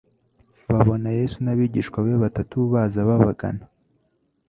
Babona Yesu n'abigishwa be batatu baza babagana,